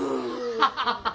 ハハハハハ！